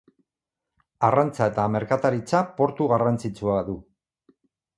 Arrantza eta merkataritza portu garrantzitsua du.